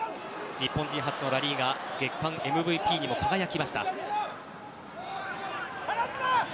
日本人初のラ・リーガ月間ＭＶＰにも輝きました。